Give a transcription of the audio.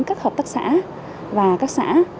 các hợp tác xã và các xã